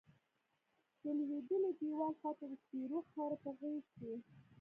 د لویدلیی دیوال خواتہ د سپیرو خاور پہ غیز کیی